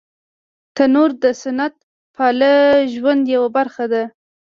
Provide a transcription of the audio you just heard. تنور د سنت پاله ژوند یوه برخه ده